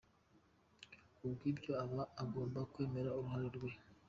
Ku bw’ibyo aba agomba kwemera uruhare rwe.